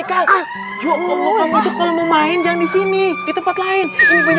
kalau mau main jangan di sini di tempat lain kerja